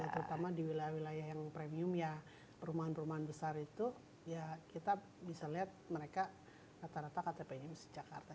terutama di wilayah wilayah yang premium ya perumahan perumahan besar itu ya kita bisa lihat mereka rata rata ktp nya masih jakarta